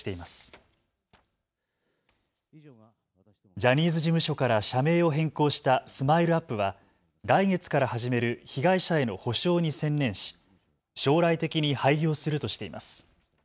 ジャニーズ事務所から社名を変更したＳＭＩＬＥ−ＵＰ．は来月から始める被害者への補償に専念し将来的に廃業するとしています。